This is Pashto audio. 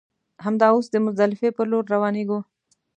همدا اوس د مزدلفې پر لور روانېږو.